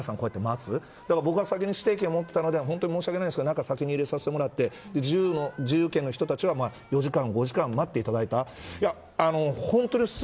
そこで人数が達するとまた皆さんこうやって待つ僕は先に指定券を持っていたので申し訳ないですが中に先に入れさせてもらって自由券の人たちは４時間５時間待っていただいた。